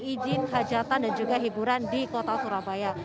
izin hajatan dan juga hiburan di kota surabaya